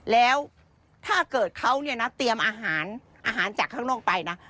แล้วถ้าเกิดเขาเนี่ยนะเตรียมอาหารอาหารจากข้างนอกไปนะ